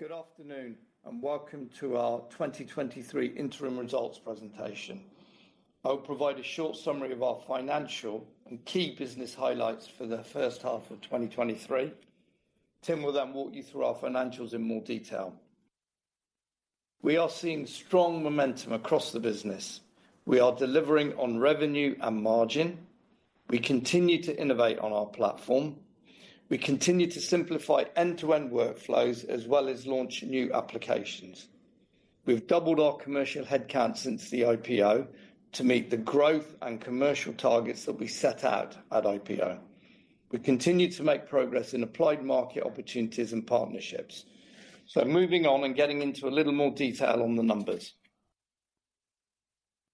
Good afternoon, and welcome to our 2023 interim results presentation. I'll provide a short summary of our financial and key business highlights for the first half of 2023. Tim will then walk you through our financials in more detail. We are seeing strong momentum across the business. We are delivering on revenue and margin. We continue to innovate on our platform. We continue to simplify end-to-end workflows, as well as launch new applications. We've doubled our commercial headcount since the IPO to meet the growth and commercial targets that we set out at IPO. We continued to make progress in applied market opportunities and partnerships. Moving on and getting into a little more detail on the numbers.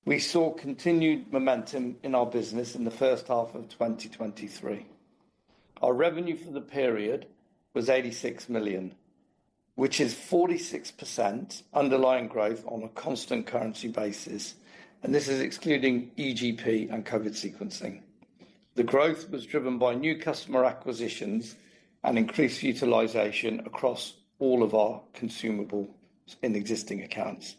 We saw continued momentum in our business in the first half of 2023. Our revenue for the period was 86 million, which is 46% underlying growth on a constant currency basis, and this is excluding EGP and COVID sequencing. The growth was driven by new customer acquisitions and increased utilization across all of our consumable and existing accounts.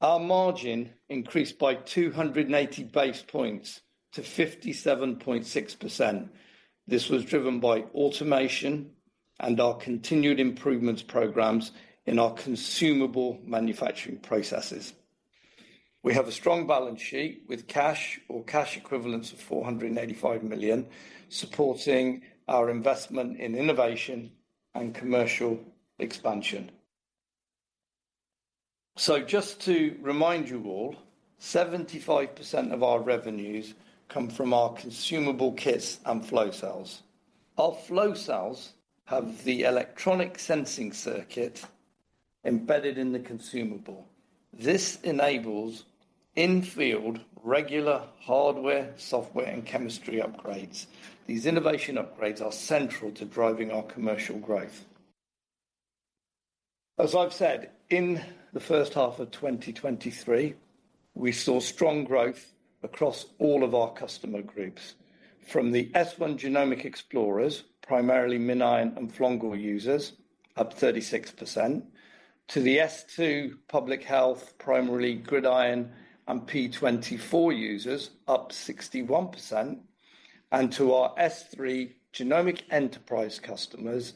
Our margin increased by 280 basis points to 57.6%. This was driven by automation and our continued improvements programs in our consumable manufacturing processes. We have a strong balance sheet with cash or cash equivalents of 485 million, supporting our investment in innovation and commercial expansion. So just to remind you all, 75% of our revenues come from our consumable kits and flow cells. Our flow cells have the electronic sensing circuit embedded in the consumable. This enables in-field, regular hardware, software, and chemistry upgrades. These innovation upgrades are central to driving our commercial growth. As I've said, in the first half of 2023, we saw strong growth across all of our customer groups, from the S1 Genomic Explorers, primarily MinION and Flongle users, up 36%, to the S2 Public Health, primarily GridION and P24 users, up 61%, and to our S3 Genomic Enterprise customers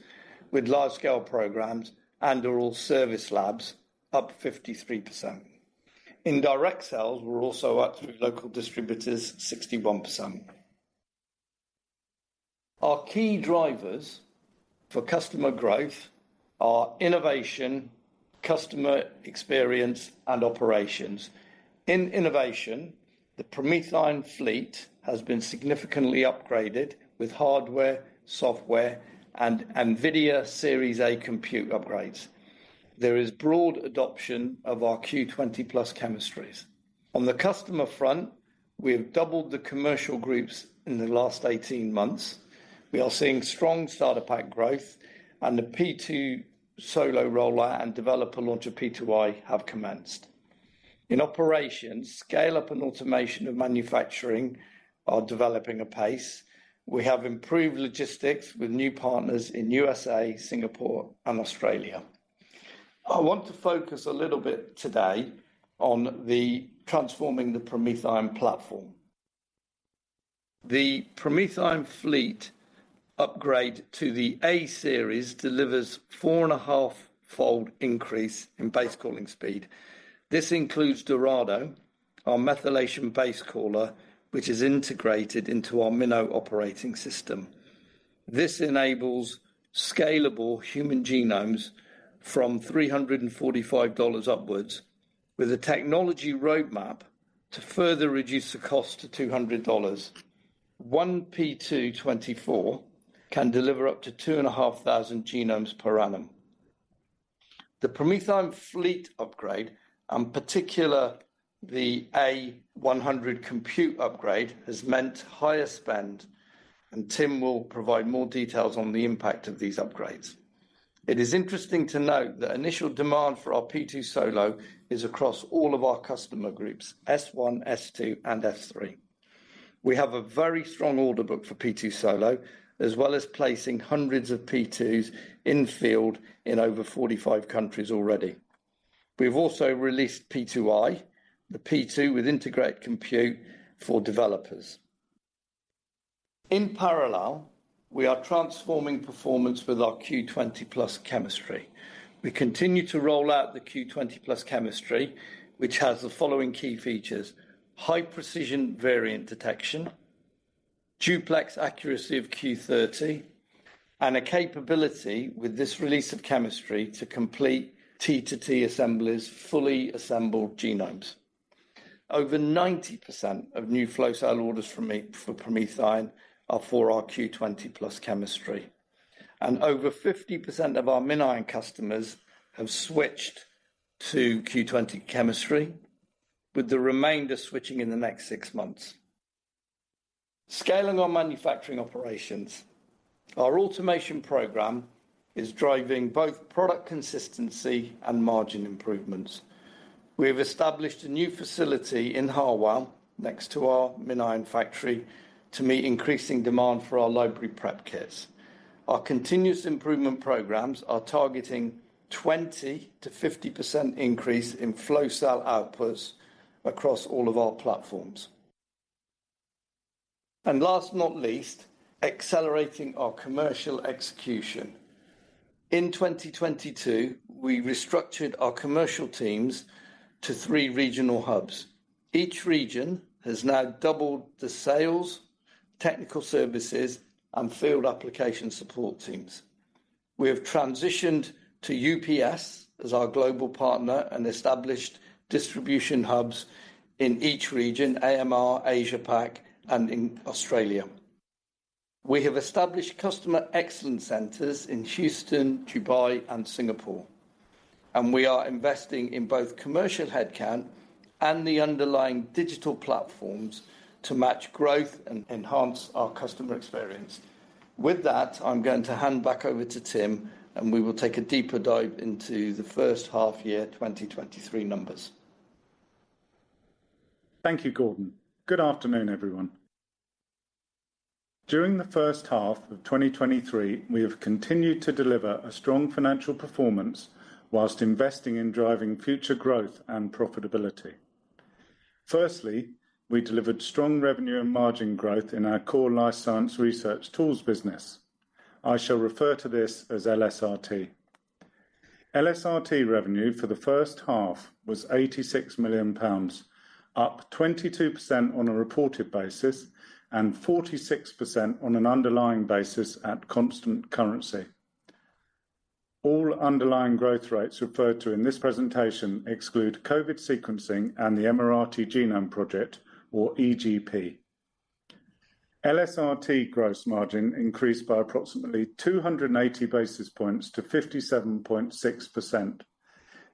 with large-scale programs and/or service labs, up 53%. Indirect sales were also up through local distributors, 61%. Our key drivers for customer growth are innovation, customer experience, and operations. In innovation, the PromethION Fleet has been significantly upgraded with hardware, software, and NVIDIA A-Series compute upgrades. There is broad adoption of our Q20+ chemistries. On the customer front, we have doubled the commercial groups in the last 18 months. We are seeing strong starter pack growth, and the P2 Solo rollout and developer launch of P2i have commenced. In operations, scale-up and automation of manufacturing are developing apace. We have improved logistics with new partners in USA, Singapore, and Australia. I want to focus a little bit today on transforming the PromethION platform. The PromethION Fleet upgrade to the A-Series delivers 4.5-fold increase in base calling speed. This includes Dorado, our methylation base caller, which is integrated into our MinKNOW operating system. This enables scalable human genomes from $345 upwards, with a technology roadmap to further reduce the cost to $200. One P24 can deliver up to 2,500 genomes per annum. The PromethION Fleet upgrade, in particular the A100 compute upgrade, has meant higher spend, and Tim will provide more details on the impact of these upgrades. It is interesting to note that initial demand for our P2 Solo is across all of our customer groups, S1, S2, and S3. We have a very strong order book for P2 Solo, as well as placing hundreds of P2s in field in over 45 countries already. We've also released P2i, the P2 with integrated compute for developers. In parallel, we are transforming performance with our Q20+ chemistry. We continue to roll out the Q20+ chemistry, which has the following key features: high precision variant detection, duplex accuracy of Q30, and a capability with this release of chemistry to complete T2T assemblies, fully assembled genomes. Over 90% of new flow cell orders from me for PromethION are for our Q20+ chemistry, and over 50% of our MinION customers have switched to Q20 chemistry, with the remainder switching in the next six months. Scaling our manufacturing operations. Our automation program is driving both product consistency and margin improvements. We have established a new facility in Harwell, next to our MinION factory, to meet increasing demand for our library prep kits. Our continuous improvement programs are targeting 20%-50% increase in flow cell outputs across all of our platforms. Last, not least, accelerating our commercial execution. In 2022, we restructured our commercial teams to three regional hubs. Each region has now doubled the sales, technical services, and field application support teams. We have transitioned to UPS as our global partner, and established distribution hubs in each region, AMR, Asia-PAC, and in Australia. We have established customer excellence centers in Houston, Dubai, and Singapore, and we are investing in both commercial headcount and the underlying digital platforms to match growth and enhance our customer experience. With that, I'm going to hand back over to Tim, and we will take a deeper dive into the first half year 2023 numbers. Thank you, Gordon. Good afternoon, everyone. During the first half of 2023, we have continued to deliver a strong financial performance while investing in driving future growth and profitability. Firstly, we delivered strong revenue and margin growth in our core Life Sciences Research Tools business. I shall refer to this as LSRT. LSRT revenue for the first half was 86 million pounds, up 22% on a reported basis and 46% on an underlying basis at constant currency. All underlying growth rates referred to in this presentation exclude COVID sequencing and the Emirati Genome Project, or EGP. LSRT gross margin increased by approximately 280 basis points to 57.6%.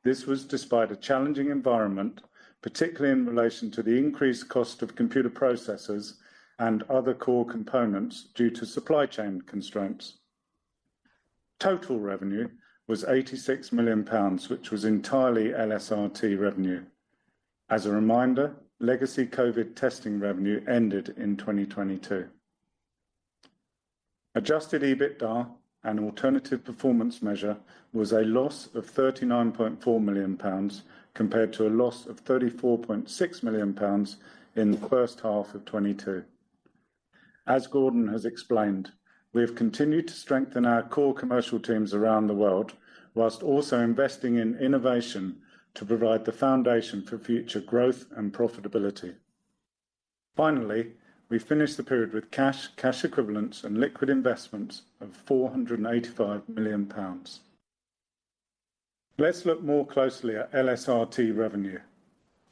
This was despite a challenging environment, particularly in relation to the increased cost of computer processors and other core components due to supply chain constraints. Total revenue was 86 million pounds, which was entirely LSRT revenue. As a reminder, legacy COVID testing revenue ended in 2022. Adjusted EBITDA, an alternative performance measure, was a loss of 39.4 million pounds, compared to a loss of 34.6 million pounds in the first half of 2022. As Gordon has explained, we have continued to strengthen our core commercial teams around the world, whilst also investing in innovation to provide the foundation for future growth and profitability. Finally, we finished the period with cash, cash equivalents, and liquid investments of 485 million pounds. Let's look more closely at LSRT revenue.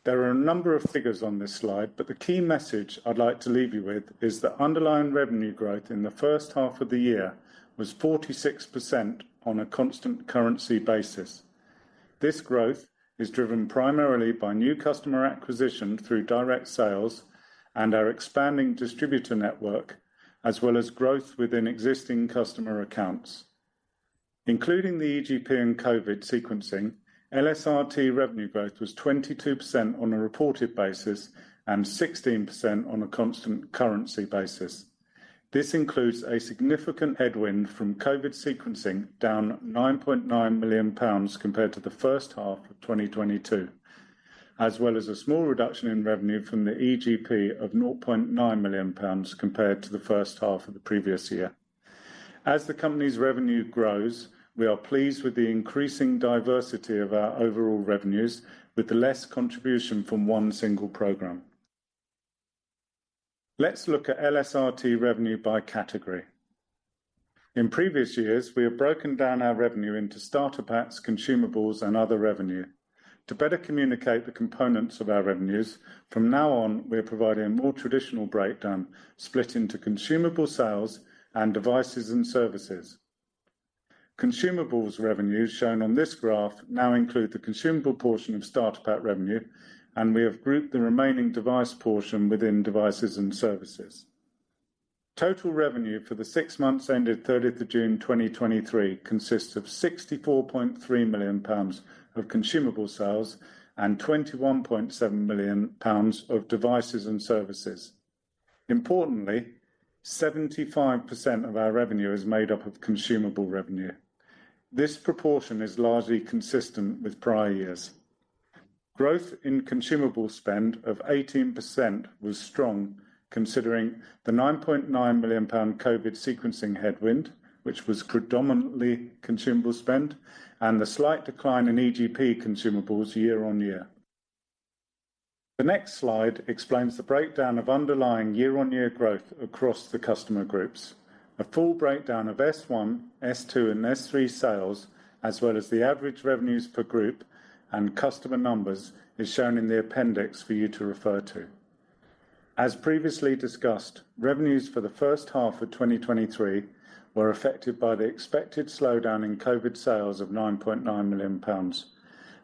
There are a number of figures on this slide, but the key message I'd like to leave you with is that underlying revenue growth in the first half of the year was 46% on a constant currency basis. This growth is driven primarily by new customer acquisition through direct sales and our expanding distributor network, as well as growth within existing customer accounts. Including the EGP and COVID sequencing, LSRT revenue growth was 22% on a reported basis and 16% on a constant currency basis. This includes a significant headwind from COVID sequencing, down 9.9 million pounds compared to the first half of 2022, as well as a small reduction in revenue from the EGP of 0.9 million pounds compared to the first half of the previous year. As the company's revenue grows, we are pleased with the increasing diversity of our overall revenues, with the less contribution from one single program. Let's look at LSRT revenue by category. In previous years, we have broken down our revenue into starter packs, consumables, and other revenue. To better communicate the components of our revenues, from now on, we are providing a more traditional breakdown, split into consumable sales and devices and services. Consumables revenues, shown on this graph, now include the consumable portion of starter pack revenue, and we have grouped the remaining device portion within devices and services. Total revenue for the six months ended June 30th, 2023, consists of 64.3 million pounds of consumable sales and 21.7 million pounds of devices and services. Importantly, 75% of our revenue is made up of consumable revenue. This proportion is largely consistent with prior years. Growth in consumable spend of 18% was strong, considering the 9.9 million pound COVID sequencing headwind, which was predominantly consumable spend, and the slight decline in EGP consumables year-on-year. The next slide explains the breakdown of underlying year-on-year growth across the customer groups. A full breakdown of S1, S2, and S3 sales, as well as the average revenues per group and customer numbers, is shown in the appendix for you to refer to. As previously discussed, revenues for the first half of 2023 were affected by the expected slowdown in COVID sales of 9.9 million pounds,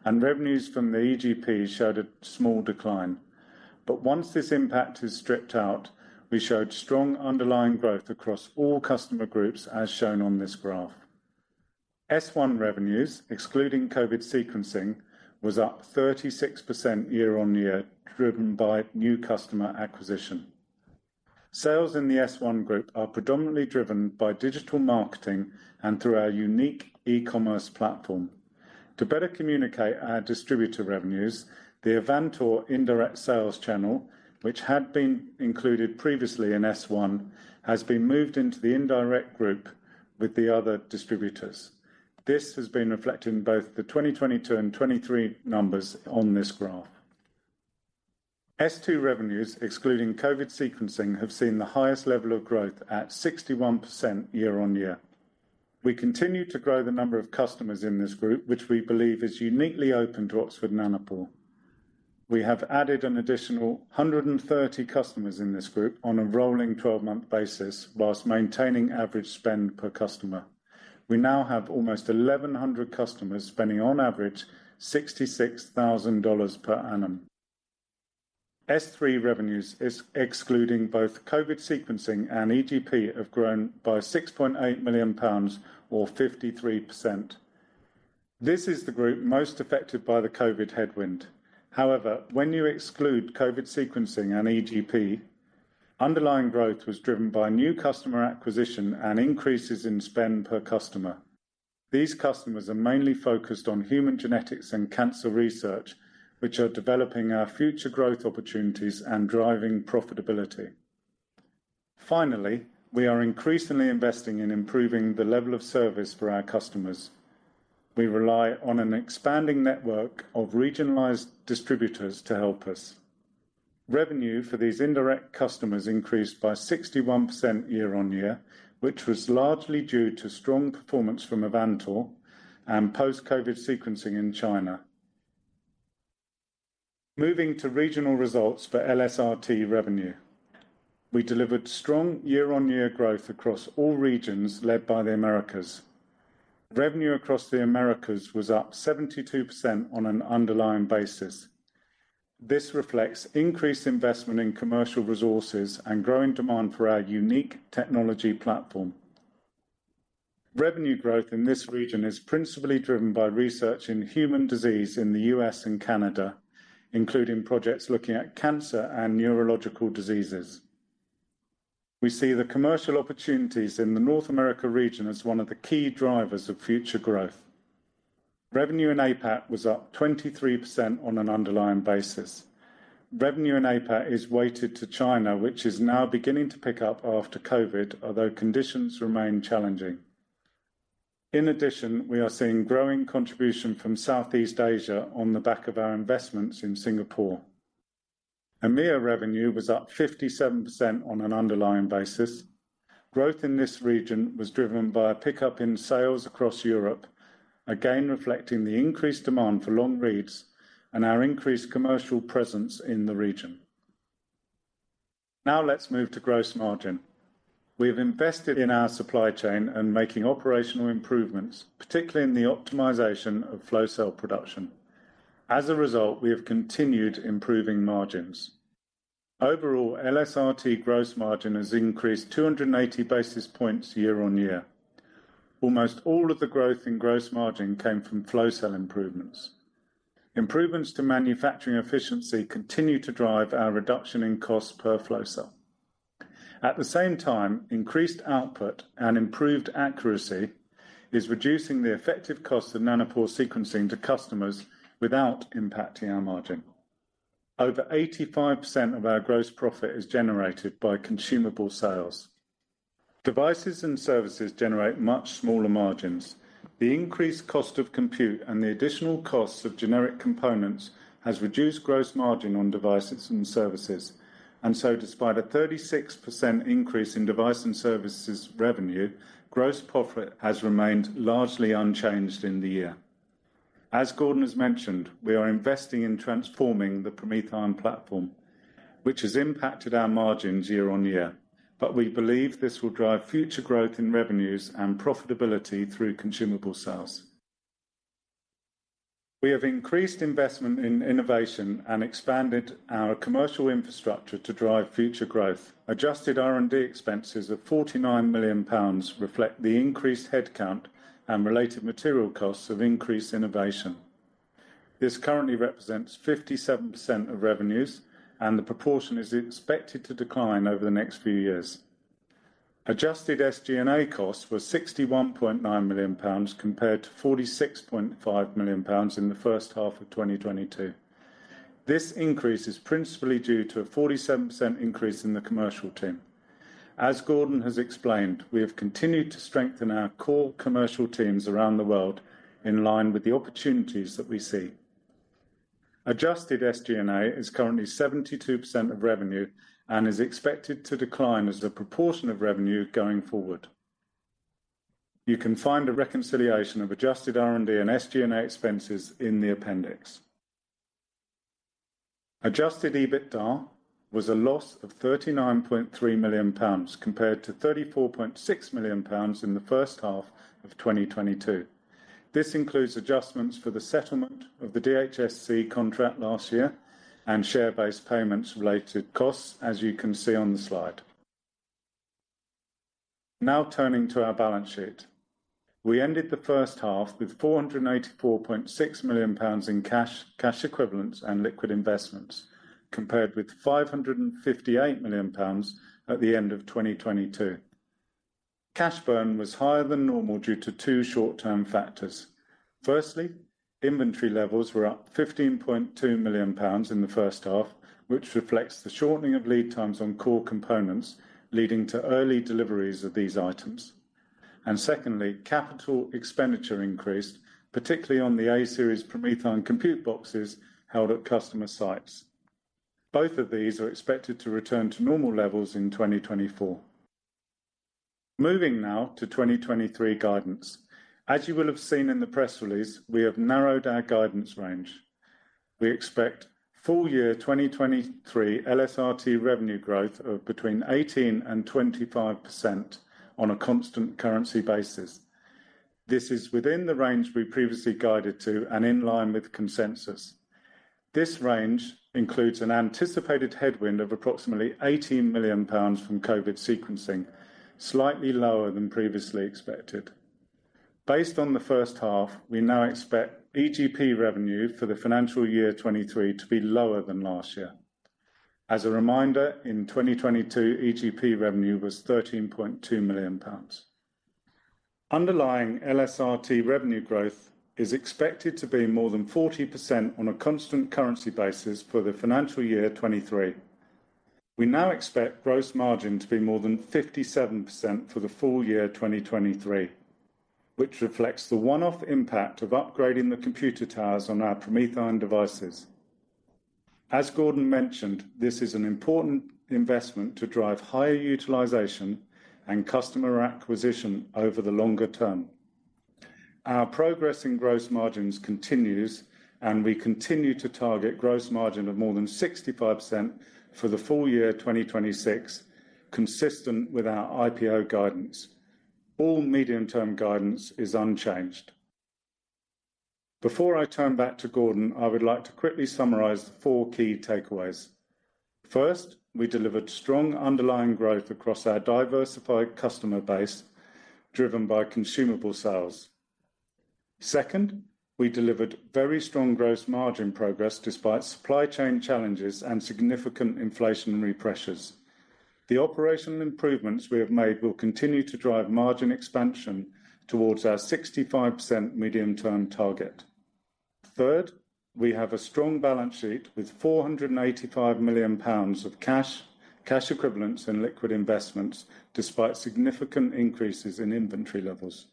and revenues from the EGP showed a small decline. But once this impact is stripped out, we showed strong underlying growth across all customer groups, as shown on this graph. S1 revenues, excluding COVID sequencing, was up 36% year-on-year, driven by new customer acquisition. Sales in the S1 group are predominantly driven by digital marketing and through our unique e-commerce platform. To better communicate our distributor revenues, the Avantor indirect sales channel, which had been included previously in S1, has been moved into the indirect group with the other distributors. This has been reflected in both the 2022 and 2023 numbers on this graph. S2 revenues, excluding COVID sequencing, have seen the highest level of growth at 61% year-on-year. We continue to grow the number of customers in this group, which we believe is uniquely open to Oxford Nanopore. We have added an additional 130 customers in this group on a rolling 12-month basis, while maintaining average spend per customer. We now have almost 1,100 customers spending on average $66,000 per annum. S3 revenues is excluding both COVID sequencing and EGP, have grown by 6.8 million pounds or 53%. This is the group most affected by the COVID headwind. However, when you exclude COVID sequencing and EGP, underlying growth was driven by new customer acquisition and increases in spend per customer. These customers are mainly focused on human genetics and cancer research, which are developing our future growth opportunities and driving profitability. Finally, we are increasingly investing in improving the level of service for our customers. We rely on an expanding network of regionalized distributors to help us. Revenue for these indirect customers increased by 61% year-on-year, which was largely due to strong performance from Avantor and post-COVID sequencing in China. Moving to regional results for LSRT revenue. We delivered strong year-on-year growth across all regions, led by the Americas. Revenue across the Americas was up 72% on an underlying basis. This reflects increased investment in commercial resources and growing demand for our unique technology platform. Revenue growth in this region is principally driven by research in human disease in the U.S. and Canada, including projects looking at cancer and neurological diseases. We see the commercial opportunities in the North America region as one of the key drivers of future growth. Revenue in APAC was up 23% on an underlying basis. Revenue in APAC is weighted to China, which is now beginning to pick up after COVID, although conditions remain challenging. In addition, we are seeing growing contribution from Southeast Asia on the back of our investments in Singapore. EMEA revenue was up 57% on an underlying basis. Growth in this region was driven by a pickup in sales across Europe, again, reflecting the increased demand for long reads and our increased commercial presence in the region. Now let's move to gross margin. We have invested in our supply chain and making operational improvements, particularly in the optimization of flow cell production. As a result, we have continued improving margins. Overall, LSRT gross margin has increased 280 basis points year-on-year. Almost all of the growth in gross margin came from flow cell improvements. Improvements to manufacturing efficiency continue to drive our reduction in cost per flow cell. At the same time, increased output and improved accuracy is reducing the effective cost of Nanopore sequencing to customers without impacting our margin. Over 85% of our gross profit is generated by consumable sales. Devices and services generate much smaller margins. The increased cost of compute and the additional costs of generic components has reduced gross margin on devices and services. And so, despite a 36% increase in device and services revenue, gross profit has remained largely unchanged in the year. As Gordon has mentioned, we are investing in transforming the PromethION platform, which has impacted our margins year-on-year, but we believe this will drive future growth in revenues and profitability through consumable sales. We have increased investment in innovation and expanded our commercial infrastructure to drive future growth. Adjusted R&D expenses of 49 million pounds reflect the increased headcount and related material costs of increased innovation. This currently represents 57% of revenues, and the proportion is expected to decline over the next few years. Adjusted SG&A costs were 61.9 million pounds, compared to 46.5 million pounds in the first half of 2022. This increase is principally due to a 47% increase in the commercial team. As Gordon has explained, we have continued to strengthen our core commercial teams around the world in line with the opportunities that we see. Adjusted SG&A is currently 72% of revenue and is expected to decline as a proportion of revenue going forward. You can find a reconciliation of adjusted R&D and SG&A expenses in the appendix. Adjusted EBITDA was a loss of 39.3 million pounds, compared to 34.6 million pounds in the first half of 2022. This includes adjustments for the settlement of the DHSC contract last year, and share-based payments related costs, as you can see on the slide. Now, turning to our balance sheet. We ended the first half with 484.6 million pounds in cash, cash equivalents, and liquid investments, compared with 558 million pounds at the end of 2022. Cash burn was higher than normal due to two short-term factors. Firstly, inventory levels were up 15.2 million pounds in the first half, which reflects the shortening of lead times on core components, leading to early deliveries of these items. And secondly, capital expenditure increased, particularly on the A-Series PromethION compute boxes held at customer sites. Both of these are expected to return to normal levels in 2024. Moving now to 2023 guidance. As you will have seen in the press release, we have narrowed our guidance range. We expect full year 2023 LSRT revenue growth of between 18% and 25% on a constant currency basis. This is within the range we previously guided to and in line with consensus. This range includes an anticipated headwind of approximately 18 million pounds from COVID sequencing, slightly lower than previously expected. Based on the first half, we now expect EGP revenue for the financial year 2023 to be lower than last year. As a reminder, in 2022, EGP revenue was 13.2 million pounds. Underlying LSRT revenue growth is expected to be more than 40% on a constant currency basis for the financial year 2023. We now expect gross margin to be more than 57% for the full year 2023, which reflects the one-off impact of upgrading the computer towers on our PromethION devices. As Gordon mentioned, this is an important investment to drive higher utilization and customer acquisition over the longer term. Our progress in gross margins continues, and we continue to target gross margin of more than 65% for the full year 2026, consistent with our IPO guidance. All medium-term guidance is unchanged. Before I turn back to Gordon, I would like to quickly summarize the four key takeaways. First, we delivered strong underlying growth across our diversified customer base, driven by consumable sales. Second, we delivered very strong gross margin progress despite supply chain challenges and significant inflationary pressures. The operational improvements we have made will continue to drive margin expansion towards our 65% medium-term target. Third, we have a strong balance sheet with 485 million pounds of cash, cash equivalents, and liquid investments, despite significant increases in inventory levels.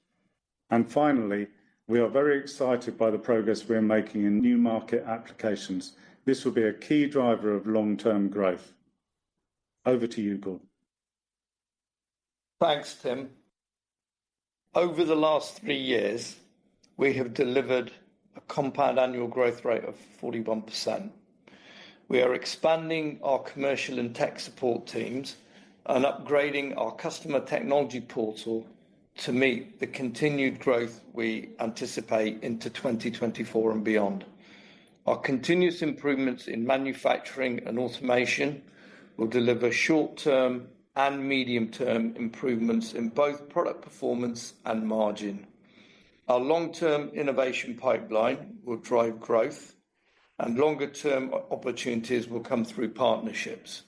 And finally, we are very excited by the progress we are making in new market applications. This will be a key driver of long-term growth. Over to you, Gordon. Thanks, Tim. Over the last three years, we have delivered a compound annual growth rate of 41%. We are expanding our commercial and tech support teams and upgrading our customer technology portal to meet the continued growth we anticipate into 2024 and beyond. Our continuous improvements in manufacturing and automation will deliver short-term and medium-term improvements in both product performance and margin. Our long-term innovation pipeline will drive growth, and longer-term opportunities will come through partnerships.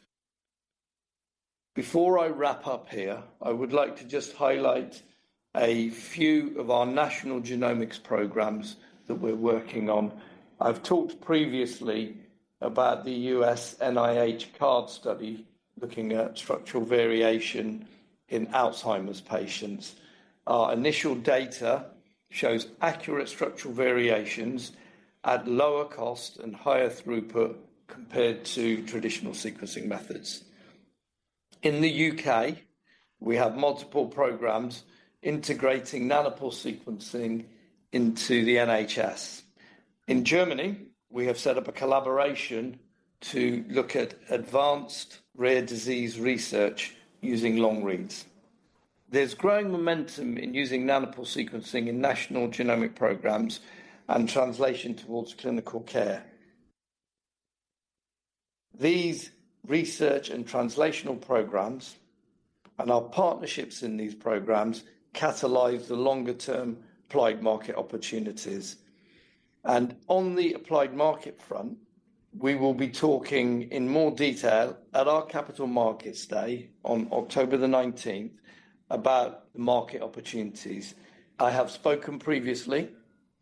Before I wrap up here, I would like to just highlight a few of our national genomics programs that we're working on. I've talked previously about the U.S. NIH CARD study, looking at structural variation in Alzheimer's patients. Our initial data shows accurate structural variations at lower cost and higher throughput compared to traditional sequencing methods. In the U.K., we have multiple programs integrating Nanopore sequencing into the NHS. In Germany, we have set up a collaboration to look at advanced rare disease research using long reads. There's growing momentum in using nanopore sequencing in national genomic programs and translation towards clinical care. These research and translational programs, and our partnerships in these programs, catalyze the longer-term applied market opportunities. On the applied market front, we will be talking in more detail at our Capital Markets Day on October 19th, about the market opportunities. I have spoken previously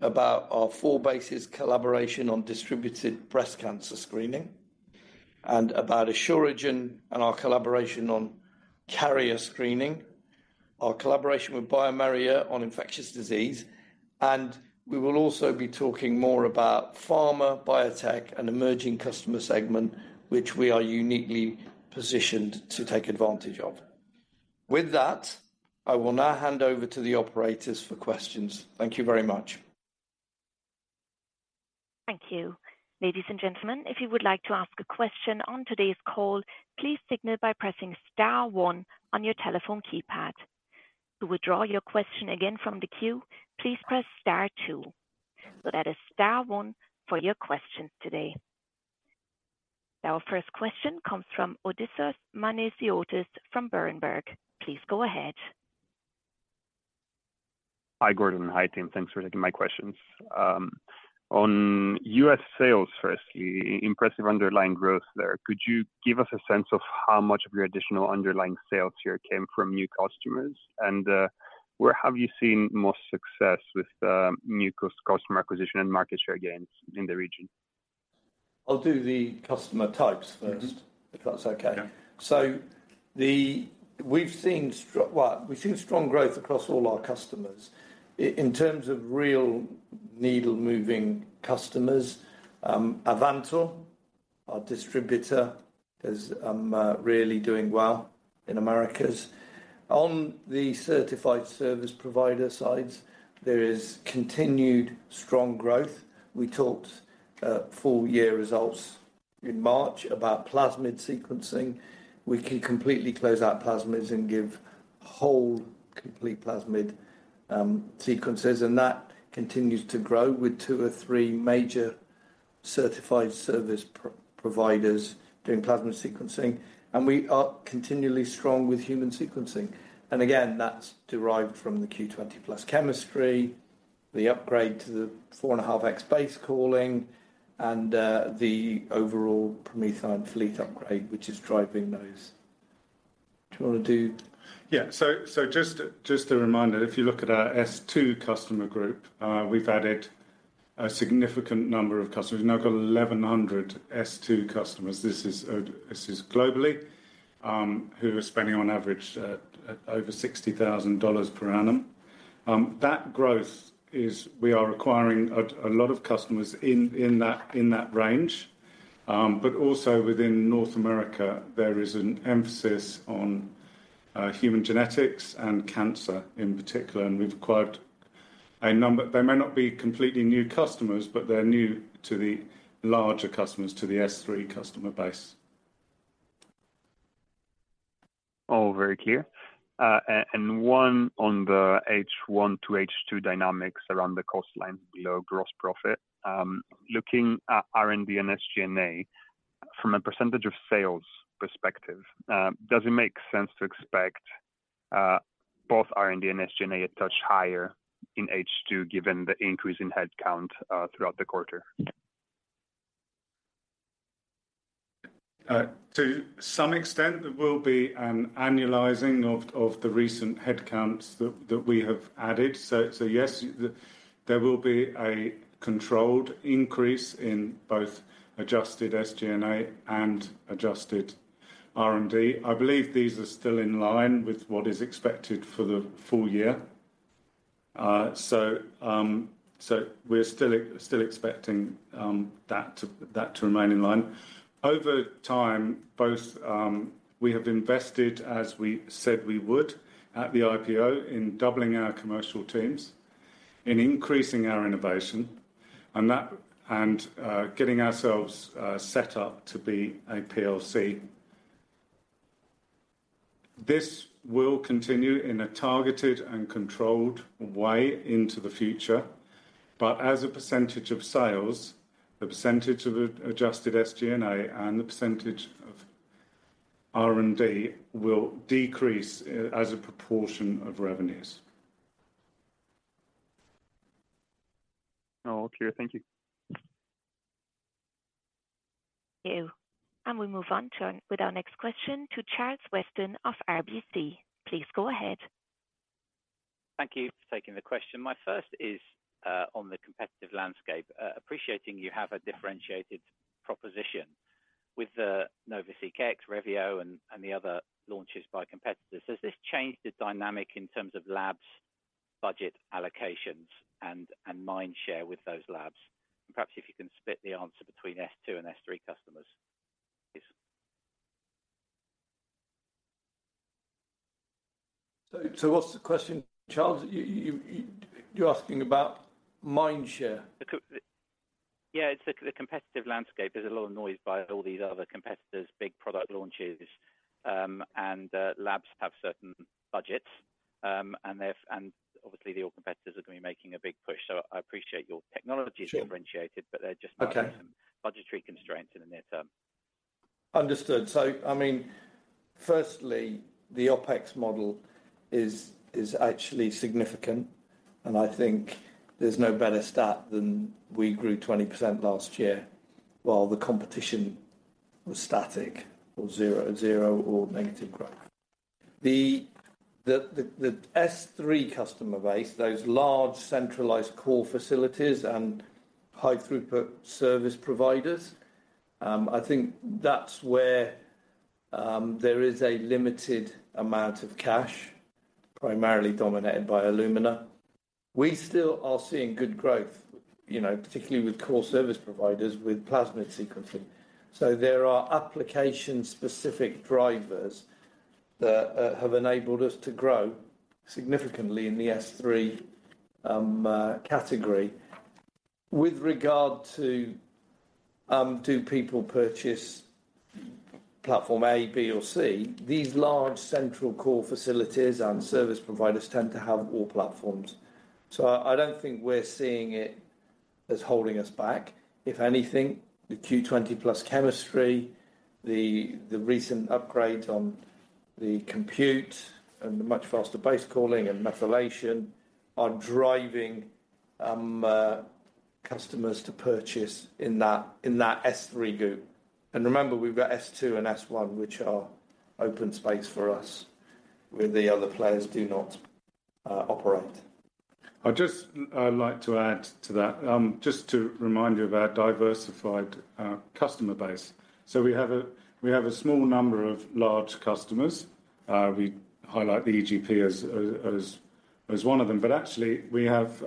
about our 4bases collaboration on distributed breast cancer screening and about Asuragen and our collaboration on carrier screening, our collaboration with bioMérieux on infectious disease, and we will also be talking more about pharma, biotech, and emerging customer segment, which we are uniquely positioned to take advantage of. With that, I will now hand over to the operators for questions. Thank you very much. Thank you. Ladies and gentlemen, if you would like to ask a question on today's call, please signal by pressing star one on your telephone keypad. To withdraw your question again from the queue, please press star two. That is star one for your questions today. Our first question comes from Odysseas Manesiotis from Berenberg. Please go ahead. Hi, Gordon. Hi, team. Thanks for taking my questions. On U.S. sales, firstly, impressive underlying growth there. Could you give us a sense of how much of your additional underlying sales here came from new customers? And where have you seen more success with new customer acquisition and market share gains in the region? I'll do the customer types first, if that's okay. Yeah. Well, we've seen strong growth across all our customers. In terms of real needle-moving customers, Avantor, our distributor, is really doing well in Americas. On the certified service provider sides, there is continued strong growth. We talked at full year results in March about plasmid sequencing. We can completely close out plasmids and give whole complete plasmid sequences, and that continues to grow with 2-3 major certified service providers doing plasmid sequencing. And we are continually strong with human sequencing. And again, that's derived from the Q20+ chemistry, the upgrade to the 4.5x base calling, and the overall PromethION fleet upgrade, which is driving those. Do you wanna do- Yeah. So just a reminder, if you look at our S2 customer group, we've added a significant number of customers. We've now got 1,100 S2 customers. This is globally, who are spending on average over $60,000 per annum. That growth is we are acquiring a lot of customers in that range. But also within North America, there is an emphasis on human genetics and cancer in particular, and we've acquired a number. They may not be completely new customers, but they're new to the larger customers, to the S3 customer base. All very clear. And one on the H1 to H2 dynamics around the cost line below gross profit. Looking at R&D and SG&A, from a percentage of sales perspective, does it make sense to expect both R&D and SG&A a touch higher in H2, given the increase in headcount throughout the quarter? To some extent, there will be an annualizing of the recent headcounts that we have added. So, yes, there will be a controlled increase in both adjusted SG&A and adjusted R&D. I believe these are still in line with what is expected for the full year. So, we're still expecting that to remain in line. Over time, we have invested, as we said we would at the IPO, in doubling our commercial teams, in increasing our innovation, and getting ourselves set up to be a PLC. This will continue in a targeted and controlled way into the future, but as a percentage of sales, the percentage of adjusted SG&A and the percentage of R&D will decrease as a proportion of revenues. All clear, thank you. Thank you. And we move on to with our next question to Charles Weston of RBC. Please go ahead. Thank you for taking the question. My first is on the competitive landscape. Appreciating you have a differentiated proposition with the NovaSeq X, Revio, and the other launches by competitors. Has this changed the dynamic in terms of labs, budget allocations, and mind share with those labs? And perhaps if you can split the answer between S2 and S3 customers. Please. What's the question, Charles? You're asking about mind share? Yeah, it's the competitive landscape. There's a lot of noise by all these other competitors, big product launches, and labs have certain budgets. And obviously, your competitors are gonna be making a big push. So I appreciate your technology is differentiated, but there just might be some budgetary constraints in the near term. Understood. So I mean, firstly, the OpEx model is actually significant, and I think there's no better stat than we grew 20% last year, while the competition was static or zero or negative growth. The S3 customer base, those large centralized core facilities and high-throughput service providers, I think that's where there is a limited amount of cash, primarily dominated by Illumina. We still are seeing good growth, you know, particularly with core service providers with plasmid sequencing. So there are application-specific drivers that have enabled us to grow significantly in the S3 category. With regard to do people purchase platform A, B, or C, these large central core facilities and service providers tend to have all platforms. So I don't think we're seeing it as holding us back. If anything, the Q20+ chemistry, the recent upgrade on the compute, and the much faster base calling and methylation are driving customers to purchase in that S3 group. And remember, we've got S2 and S1, which are open space for us, where the other players do not operate. I'd just like to add to that. Just to remind you of our diversified customer base. So we have a, we have a small number of large customers. We highlight the EGP as one of them. But actually, we have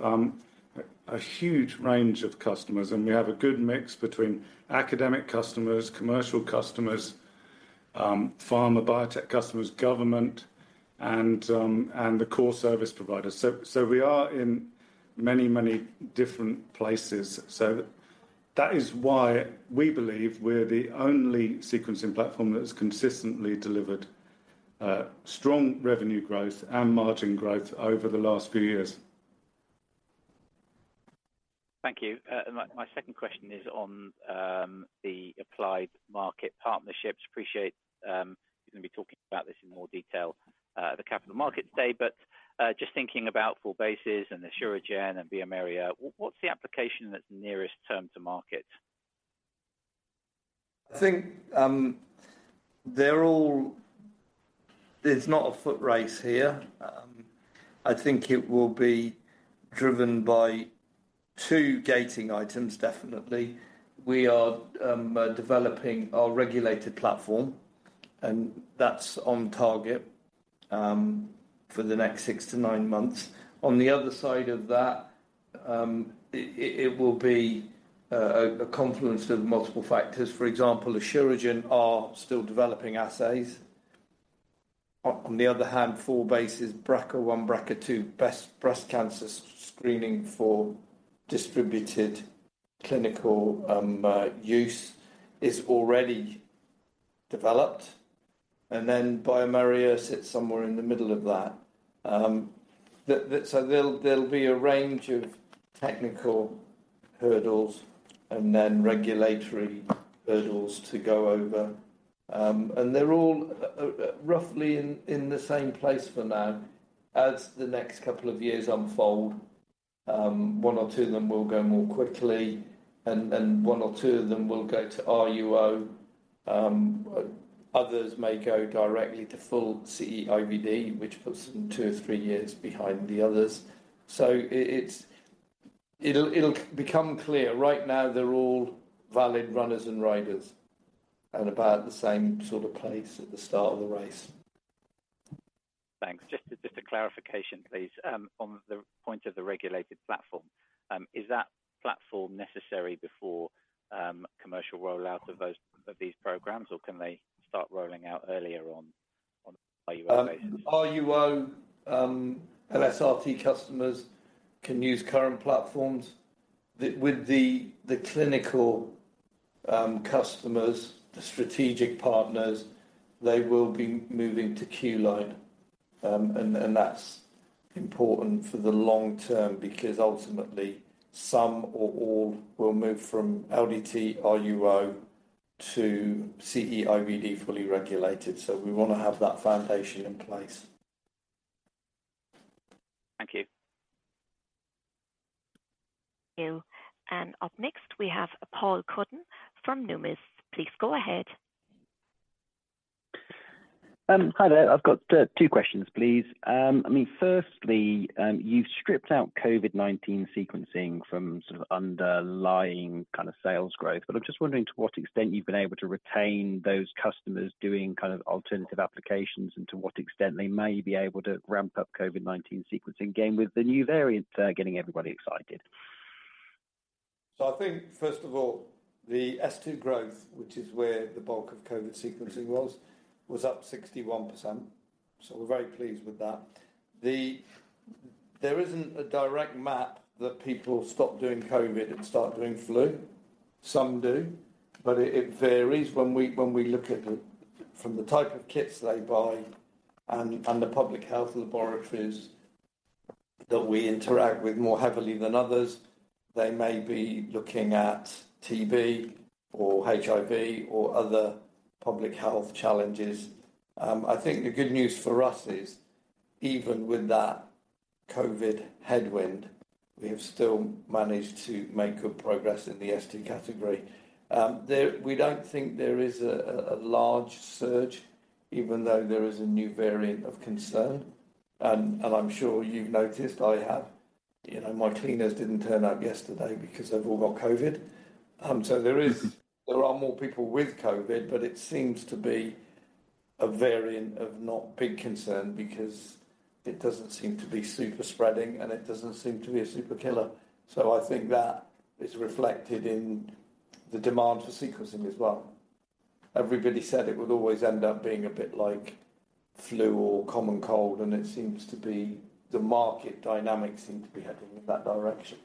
a huge range of customers, and we have a good mix between academic customers, commercial customers, pharma, biotech customers, government, and the core service providers. So we are in many, many different places. So that is why we believe we're the only sequencing platform that has consistently delivered strong revenue growth and margin growth over the last few years. Thank you. My second question is on the applied market partnerships. Appreciate you're gonna be talking about this in more detail at the Capital Markets Day, but just thinking about 4bases and Asuragen and bioMérieux, what's the application that's nearest term to market? I think, they're all... It's not a foot race here. I think it will be driven by two gating items, definitely. We are developing our regulated platform, and that's on target for the next 6-9 months. On the other side of that, it will be a confluence of multiple factors. For example, Asuragen are still developing assays. On the other hand, 4bases, BRCA1, BRCA2, best breast cancer screening for distributed clinical use is already developed, and then bioMérieux sits somewhere in the middle of that. So there'll be a range of technical hurdles and then regulatory hurdles to go over. And they're all roughly in the same place for now. As the next couple of years unfold, one or two of them will go more quickly, and one or two of them will go to RUO. Others may go directly to full CE-IVD, which puts them two or three years behind the others. So it'll become clear. Right now, they're all valid runners and riders, and about the same sort of place at the start of the race. Thanks. Just a clarification, please. On the point of the regulated platform, is that platform necessary before commercial rollout of those of these programs, or can they start rolling out earlier on RUO? RUO, and SRT customers can use current platforms. With the clinical customers, the strategic partners, they will be moving to Q-Line. And that's important for the long term because ultimately, some or all will move from LDT RUO to CE-IVD, fully regulated. So we wanna have that foundation in place. Thank you. Thank you. Up next, we have Paul Cuddon from Numis. Please go ahead. Hi there. I've got two questions, please. I mean, firstly, you've stripped out COVID-19 sequencing from sort of underlying kind of sales growth, but I'm just wondering to what extent you've been able to retain those customers doing kind of alternative applications, and to what extent they may be able to ramp up COVID-19 sequencing again, with the new variant getting everybody excited. So I think, first of all, the S2 growth, which is where the bulk of COVID sequencing was, was up 61%. So we're very pleased with that. There isn't a direct map that people stop doing COVID and start doing flu. Some do, but it varies. When we look at the type of kits they buy and the public health laboratories that we interact with more heavily than others, they may be looking at TB or HIV or other public health challenges. I think the good news for us is, even with that COVID headwind, we have still managed to make good progress in the S2 category. We don't think there is a large surge, even though there is a new variant of concern. And I'm sure you've noticed, I have. You know, my cleaners didn't turn up yesterday because they've all got COVID. There are more people with COVID, but it seems to be a variant of not big concern because it doesn't seem to be super spreading, and it doesn't seem to be a super killer. So I think that is reflected in the demand for sequencing as well. Everybody said it would always end up being a bit like flu or common cold, and it seems to be the market dynamics heading in that direction.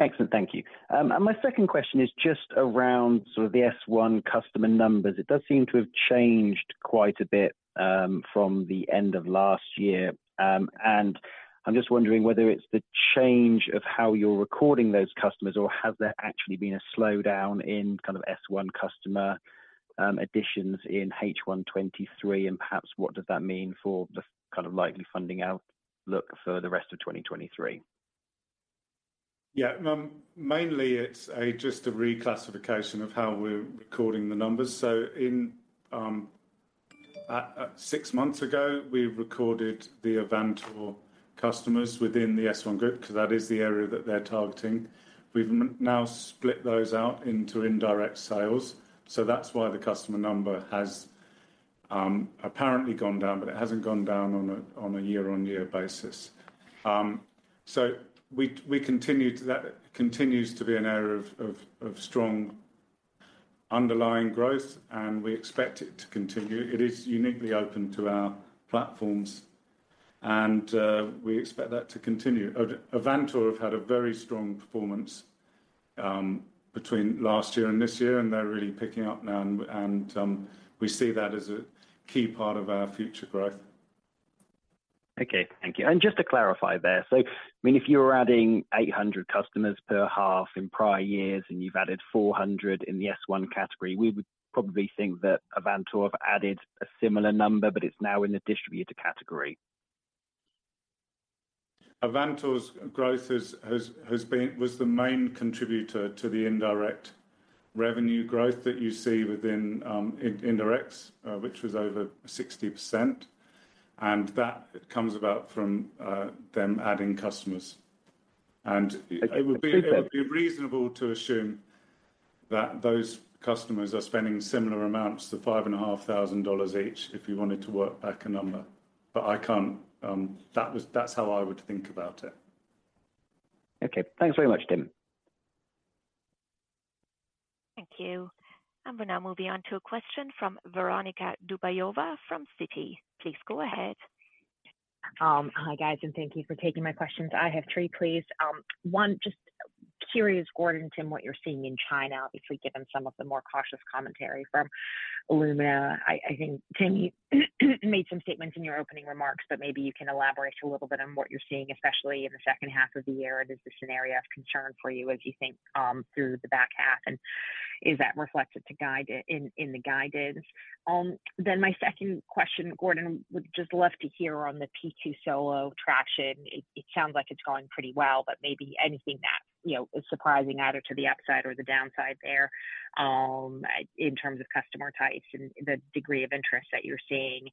Excellent. Thank you. My second question is just around sort of the S1 customer numbers. It does seem to have changed quite a bit from the end of last year. I'm just wondering whether it's the change of how you're recording those customers, or has there actually been a slowdown in kind of S1 customer additions in H1 2023, and perhaps what does that mean for the kind of likely funding outlook for the rest of 2023? Yeah. Mainly it's just a reclassification of how we're recording the numbers. So, at six months ago, we recorded the Avantor customers within the S1 group, 'cause that is the area that they're targeting. We've now split those out into indirect sales, so that's why the customer number has apparently gone down, but it hasn't gone down on a year-on-year basis. So we continue to-- that continues to be an area of strong underlying growth, and we expect it to continue. It is uniquely open to our platforms, and we expect that to continue. Avantor have had a very strong performance between last year and this year, and they're really picking up now, and we see that as a key part of our future growth. Okay. Thank you. And just to clarify there, so, I mean, if you were adding 800 customers per half in prior years, and you've added 400 in the S1 category, we would probably think that Avantor have added a similar number, but it's now in the distributor category. Avantor's growth has been—was the main contributor to the indirect revenue growth that you see within indirects, which was over 60%, and that comes about from them adding customers. And it would be reasonable to assume that those customers are spending similar amounts to $5,500 each, if you wanted to work back a number. But I can't. That was, that's how I would think about it. Okay. Thanks very much, Tim. Thank you. We now move on to a question from Veronika Dubajova from Citi. Please go ahead. Hi, guys, and thank you for taking my questions. I have three, please. One, just curious, Gordon, Tim, what you're seeing in China, obviously, given some of the more cautious commentary from Illumina. I think, Tim, you made some statements in your opening remarks, but maybe you can elaborate a little bit on what you're seeing, especially in the second half of the year. Is this a scenario of concern for you as you think through the back half, and is that reflected in the guidance? Then my second question, Gordon, would just love to hear on the P2 Solo traction. It sounds like it's going pretty well, but maybe anything that, you know, is surprising, either to the upside or the downside there, in terms of customer types and the degree of interest that you're seeing.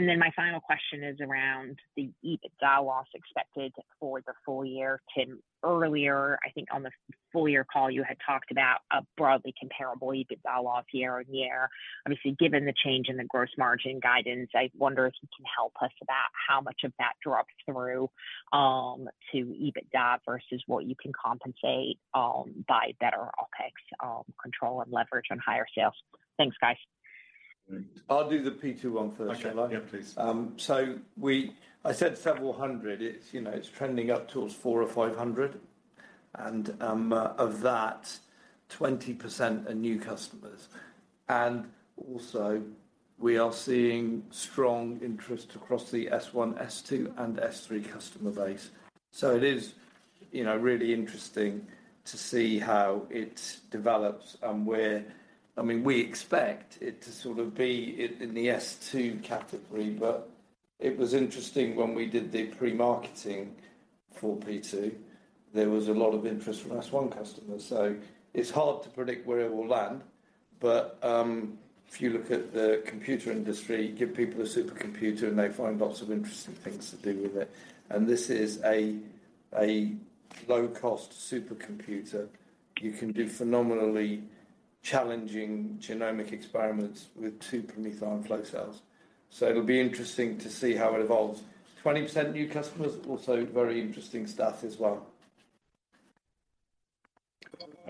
Then my final question is around the EBITDA loss expected for the full year. Tim, earlier, I think on the full year call, you had talked about a broadly comparable EBITDA loss year-on-year. Obviously, given the change in the gross margin guidance, I wonder if you can help us about how much of that drops through, to EBITDA versus what you can compensate, by better OpEx, control and leverage on higher sales. Thanks, guys. I'll do the P2 one first, shall I? Okay. Yeah, please. So, I said several hundred. It's, you know, it's trending up towards 400 or 500, and of that, 20% are new customers. And also, we are seeing strong interest across the S1, S2, and S3 customer base. So it is, you know, really interesting to see how it develops and where... I mean, we expect it to sort of be in the S2 category, but it was interesting when we did the pre-marketing for P2. There was a lot of interest from S1 customers. So it's hard to predict where it will land, but if you look at the computer industry, give people a supercomputer, and they find lots of interesting things to do with it. And this is a low-cost supercomputer. You can do phenomenally challenging genomic experiments with two PromethION flow cells. So it'll be interesting to see how it evolves. 20% new customers, also very interesting stuff as well.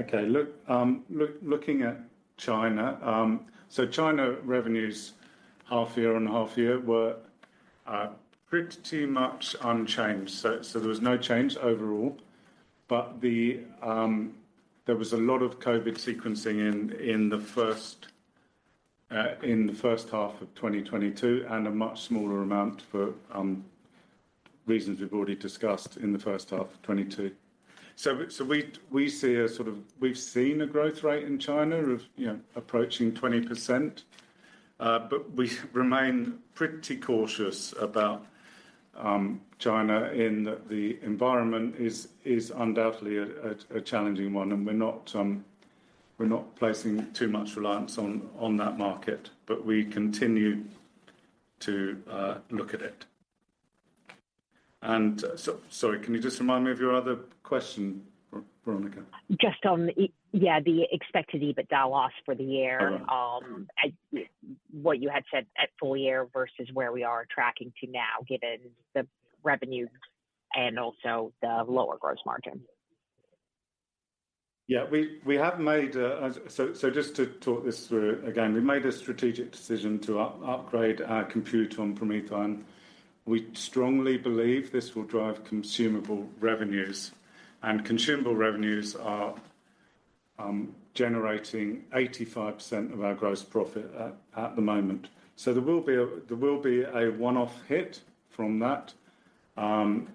Okay. Look, looking at China, so China revenues half year and half year were pretty much unchanged. So, so there was no change overall, but there was a lot of COVID sequencing in the first half of 2022, and a much smaller amount for reasons we've already discussed in the first half of 2022. So, so we see a sort of, we've seen a growth rate in China of, you know, approaching 20%, but we remain pretty cautious about China in that the environment is undoubtedly a challenging one, and we're not placing too much reliance on that market, but we continue to look at it. And so, sorry, can you just remind me of your other question, Veronika? Just on the, yeah, the expected EBITDA loss for the year. Oh, yeah. What you had said at full year versus where we are tracking to now, given the revenue and also the lower gross margin. Yeah, we have made, so just to talk this through again, we made a strategic decision to upgrade our compute on PromethION. We strongly believe this will drive consumable revenues, and consumable revenues are generating 85% of our gross profit at the moment. So there will be a one-off hit from that.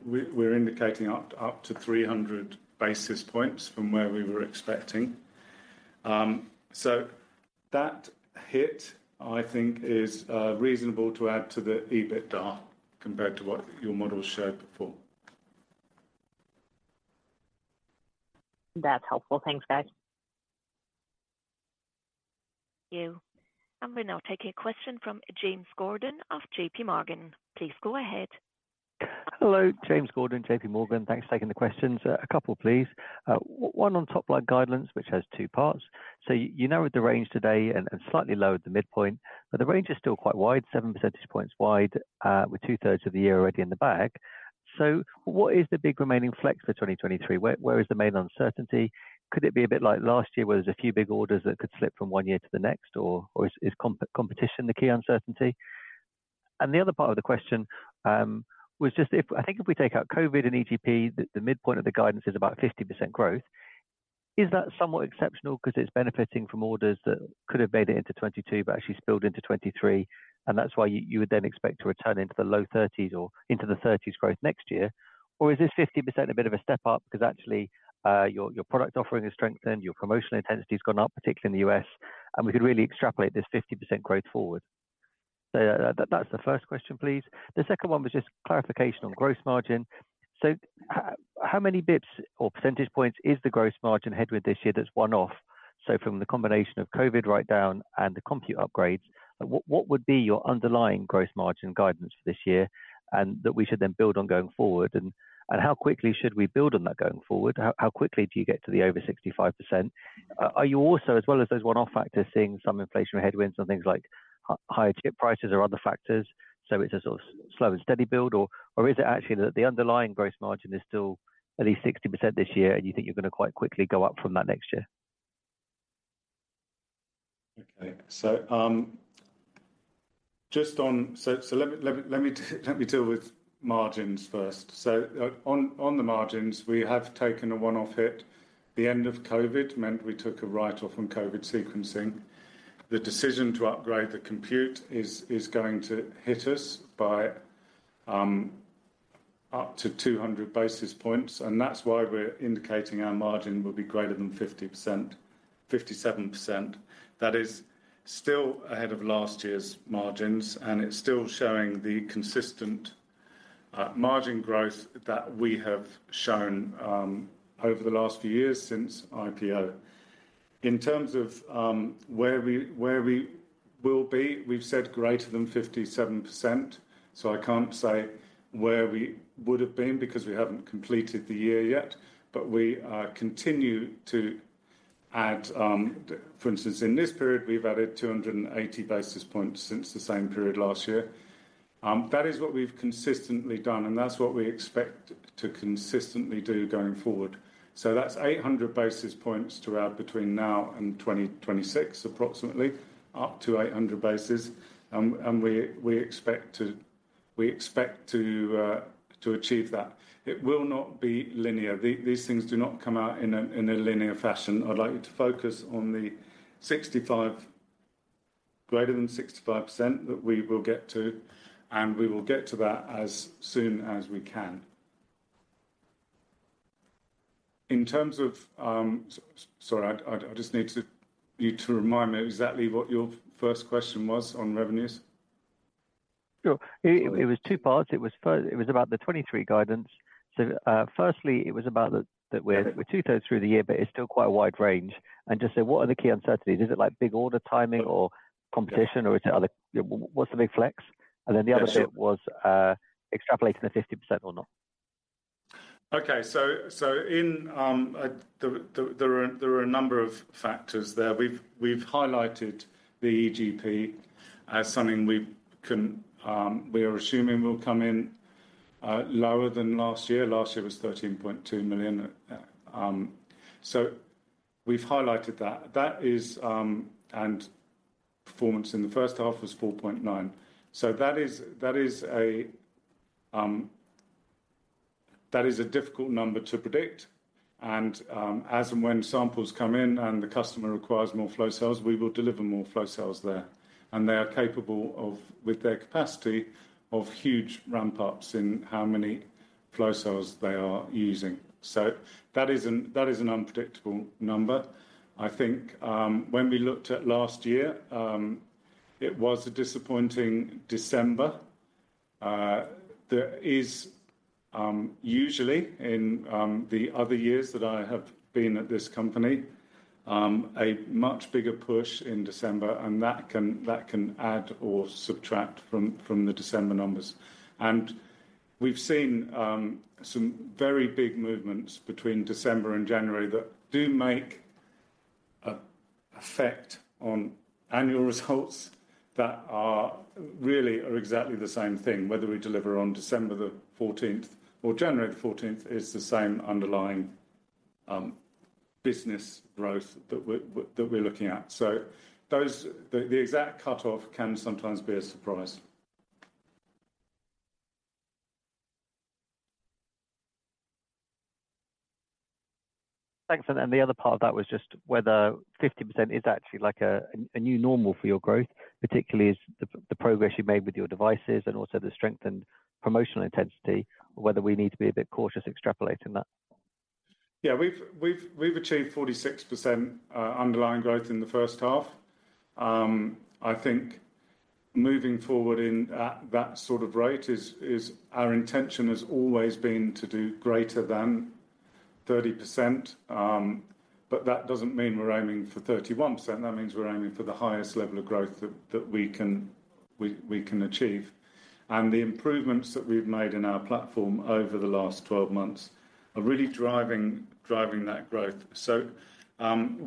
We're indicating up to 300 basis points from where we were expecting. So that hit, I think, is reasonable to add to the EBITDA compared to what your model showed before. That's helpful. Thanks, guys. Thank you. We're now taking a question from James Gordon of JPMorgan. Please go ahead. Hello, James Gordon, JPMorgan. Thanks for taking the questions. A couple, please. One on top line guidelines, which has two parts. So you narrowed the range today and slightly lowered the midpoint, but the range is still quite wide, seven percentage points wide, with two-thirds of the year already in the bag. So what is the big remaining flex for 2023? Where is the main uncertainty? Could it be a bit like last year, where there's a few big orders that could slip from one year to the next, or is competition the key uncertainty? And the other part of the question was just if I think if we take out COVID and EGP, the midpoint of the guidance is about 50% growth. Is that somewhat exceptional because it's benefiting from orders that could have made it into 2022, but actually spilled into 2023, and that's why you would then expect to return into the low 30s or into the 30s growth next year? Or is this 50% a bit of a step up because actually, your product offering has strengthened, your promotional intensity has gone up, particularly in the U.S., and we could really extrapolate this 50% growth forward? That, that's the first question, please. The second one was just clarification on gross margin. So how many bps or percentage points is the gross margin headwind this year that's one-off? So from the combination of COVID write-down and the compute upgrades, what would be your underlying gross margin guidance for this year, and that we should then build on going forward, and how quickly should we build on that going forward? How quickly do you get to the over 65%? Are you also, as well as those one-off factors, seeing some inflationary headwinds on things like higher chip prices or other factors, so it's a sort of slow and steady build? Or is it actually that the underlying gross margin is still at least 60% this year, and you think you're gonna quite quickly go up from that next year? Okay. So, just on... So, let me deal with margins first. So, on the margins, we have taken a one-off hit. The end of COVID meant we took a write-off on COVID sequencing. The decision to upgrade the compute is going to hit us by up to 200 basis points, and that's why we're indicating our margin will be greater than 50%, 57%. That is still ahead of last year's margins, and it's still showing the consistent margin growth that we have shown over the last few years since IPO. In terms of where we will be, we've said greater than 57%, so I can't say where we would have been because we haven't completed the year yet. But we continue to add, for instance, in this period, we've added 280 basis points since the same period last year. That is what we've consistently done, and that's what we expect to consistently do going forward. So that's 800 basis points to add between now and 2026, approximately, up to 800 basis. And we expect to achieve that. It will not be linear. These things do not come out in a linear fashion. I'd like you to focus on the 65, greater than 65% that we will get to, and we will get to that as soon as we can. In terms of... Sorry, I just need you to remind me exactly what your first question was on revenues. Sure. It, it was two parts. It was first— It was about the 2023 guidance. So, firstly, it was about the, that we're, we're 2/3 through the year, but it's still quite a wide range. And just say, what are the key uncertainties? Is it like big order timing or competition, or is it other— what's the big flex? Sure. And then the other bit was, extrapolating the 50% or not. Okay. There are a number of factors there. We've highlighted the EGP as something we are assuming will come in lower than last year. Last year was 13.2 million. We've highlighted that. That is, performance in the first half was 4.9 million. So that is a difficult number to predict. As and when samples come in and the customer requires more flow cells, we will deliver more flow cells there. And they are capable of, with their capacity, of huge ramp-ups in how many flow cells they are using. So that is an unpredictable number. I think, when we looked at last year, it was a disappointing December. There is usually in the other years that I have been at this company a much bigger push in December, and that can add or subtract from the December numbers. We've seen some very big movements between December and January that do make an effect on annual results that are really exactly the same thing. Whether we deliver on December 14th or January 14th is the same underlying business growth that we're looking at. So the exact cutoff can sometimes be a surprise. Thanks. And the other part of that was just whether 50% is actually like a new normal for your growth, particularly as the progress you made with your devices and also the strength and promotional intensity, whether we need to be a bit cautious extrapolating that? Yeah, we've achieved 46% underlying growth in the first half. I think moving forward at that sort of rate is our intention. It has always been to do greater than 30%, but that doesn't mean we're aiming for 31%. That means we're aiming for the highest level of growth that we can achieve. And the improvements that we've made in our platform over the last 12 months are really driving that growth. So,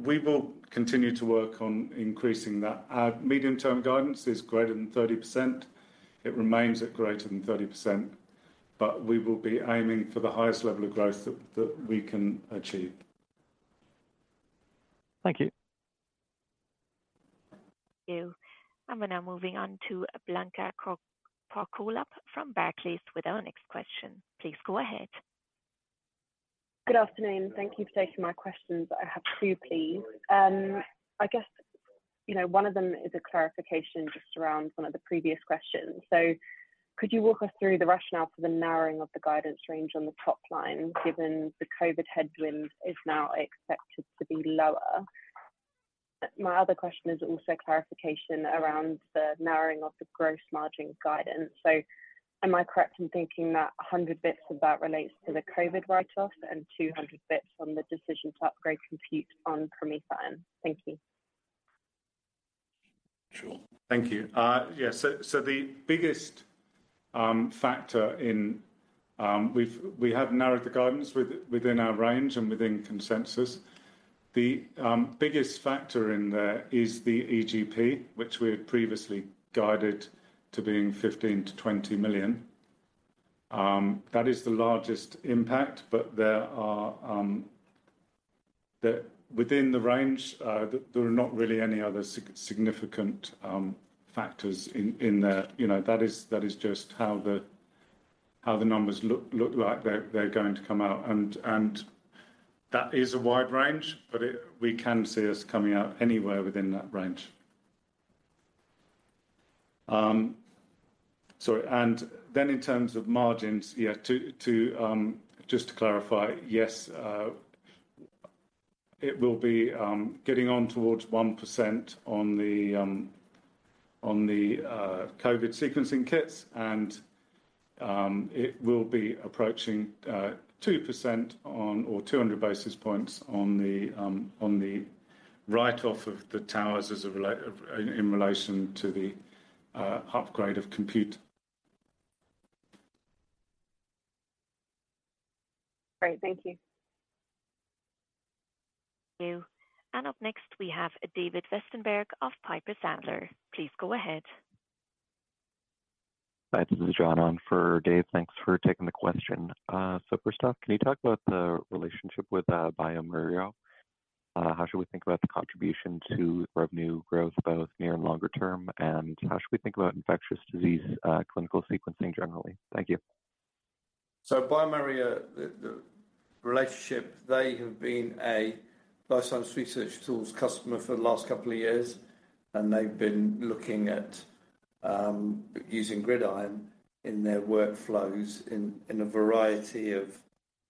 we will continue to work on increasing that. Our medium-term guidance is greater than 30%. It remains at greater than 30%, but we will be aiming for the highest level of growth that we can achieve. Thank you. Thank you. We're now moving on to Blanka Porkolab from Barclays with our next question. Please go ahead. Good afternoon. Thank you for taking my questions. I have two, please. I guess, you know, one of them is a clarification just around one of the previous questions. So could you walk us through the rationale for the narrowing of the guidance range on the top line, given the COVID headwind is now expected to be lower? My other question is also clarification around the narrowing of the gross margin guidance. So am I correct in thinking that 100 basis points of that relates to the COVID write-off and 200 basis points on the decision to upgrade compute on PromethION? Thank you. Sure. Thank you. Yeah, so the biggest factor in-- we've narrowed the guidance within our range and within consensus. The biggest factor in there is the EGP, which we had previously guided to being 15 million-20 million. That is the largest impact, but there are the-- within the range, there are not really any other significant factors in there. You know, that is just how the numbers look like they're going to come out, and that is a wide range, but it-- we can see us coming out anywhere within that range. Sorry, and then in terms of margins, just to clarify, yes, it will be getting on towards 1% on the COVID sequencing kits, and it will be approaching 2% or 200 basis points on the write-off of the towers in relation to the upgrade of compute. Great. Thank you. Thank you. And up next, we have David Westenberg of Piper Sandler. Please go ahead. Hi, this is John on for Dave. Thanks for taking the question. So first off, can you talk about the relationship with bioMérieux? How should we think about the contribution to revenue growth, both near and longer term? And how should we think about infectious disease clinical sequencing generally? Thank you. bioMérieux, the relationship, they have been a Life Sciences Research Tools customer for the last couple of years, and they've been looking at using GridION in their workflows in a variety of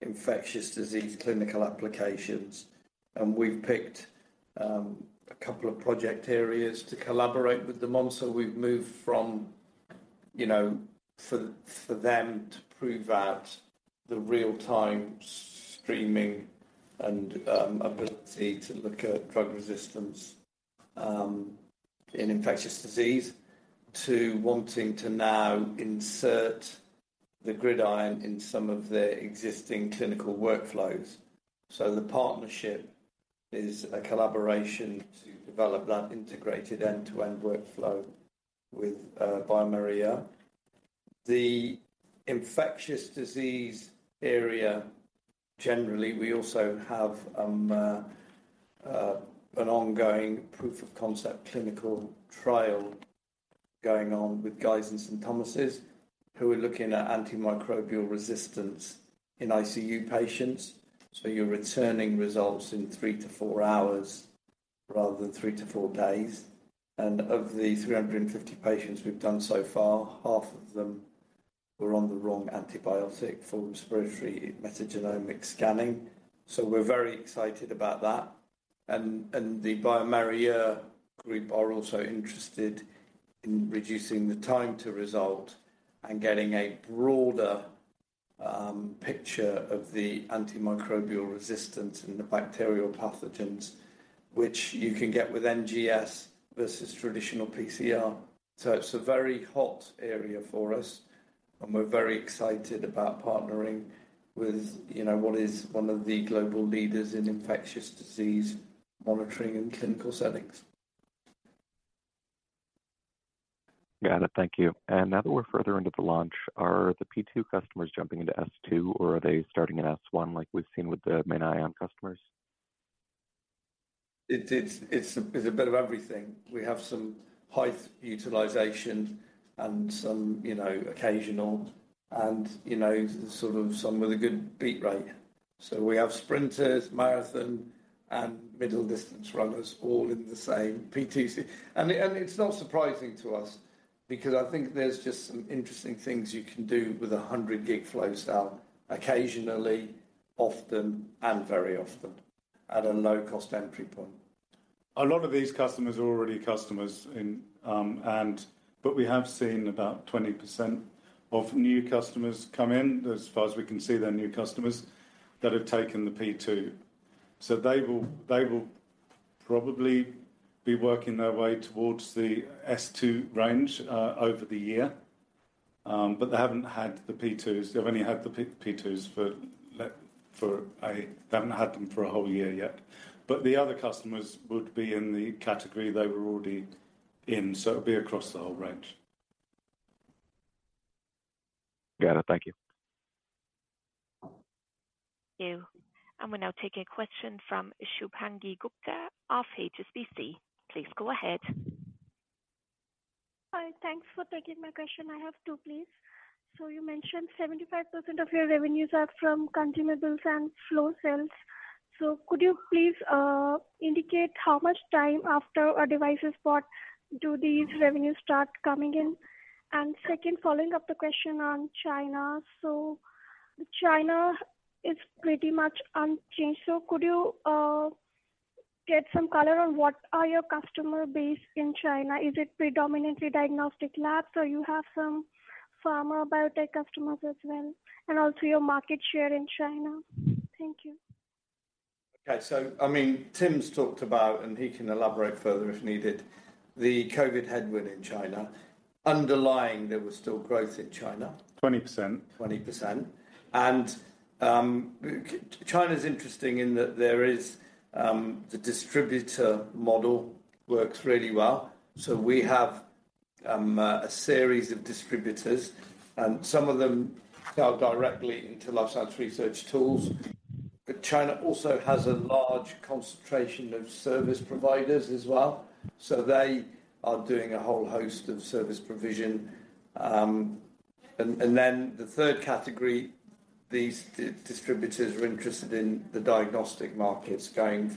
infectious disease clinical applications. We've picked a couple of project areas to collaborate with them on. We've moved from, you know, for them to prove out the real-time streaming and ability to look at drug resistance in infectious disease, to wanting to now insert the GridION in some of their existing clinical workflows. The partnership is a collaboration to develop that integrated end-to-end workflow with bioMérieux. The infectious disease area, generally, we also have an ongoing proof of concept clinical trial going on with guys in St. Thomas's, who are looking at antimicrobial resistance in ICU patients. So you're returning results in 3-4 hours rather than 3-4 days. And of the 350 patients we've done so far, half of them were on the wrong antibiotic for respiratory metagenomic scanning. So we're very excited about that. And, and the bioMérieux group are also interested in reducing the time to result and getting a broader picture of the antimicrobial resistance in the bacterial pathogens, which you can get with NGS versus traditional PCR. So it's a very hot area for us, and we're very excited about partnering with, you know, what is one of the global leaders in infectious disease monitoring in clinical settings. Got it. Thank you. And now that we're further into the launch, are the P2 customers jumping into S2, or are they starting at S1 like we've seen with the MinION customers? It's a bit of everything. We have some high utilization and some, you know, occasional and, you know, sort of some with a good beat rate. So we have sprinters, marathon, and middle-distance runners all in the same P2s. And it's not surprising to us because I think there's just some interesting things you can do with a 100 gig flow cell, occasionally, often, and very often at a low-cost entry point. A lot of these customers are already customers in. But we have seen about 20% of new customers come in, as far as we can see, they're new customers that have taken the P2. So they will, they will probably be working their way towards the S2 range over the year. But they haven't had the P2s. They've only had the P2s for like, for a whole year yet. But the other customers would be in the category they were already in, so it'll be across the whole range. Got it. Thank you. Thank you. We're now taking a question from Shubhangi Gupta of HSBC. Please go ahead. Hi, thanks for taking my question. I have two, please. So you mentioned 75% of your revenues are from consumables and flow cells. So could you please indicate how much time after a device is bought do these revenues start coming in? And second, following up the question on China. So China is pretty much unchanged, so could you get some color on what are your customer base in China? Is it predominantly diagnostic labs, or you have some pharma biotech customers as well, and also your market share in China? Thank you. Okay. So I mean, Tim's talked about, and he can elaborate further if needed, the COVID headwind in China. Underlying, there was still growth in China. 20%. 20%. China's interesting in that there is the distributor model works really well. So we have a series of distributors, and some of them sell directly into Life Sciences Research Tools. But China also has a large concentration of service providers as well, so they are doing a whole host of service provision. And then the third category, these distributors are interested in the diagnostic markets, going